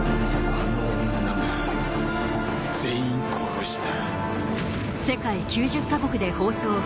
あの女が全員殺した。